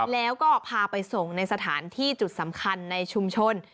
แล้วก็พาไปส่งในสถานที่จุดสำคัญในชุมชน